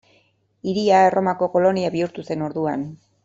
Hiria Erromako kolonia bihurtu zen orduan.